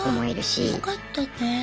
あよかったね。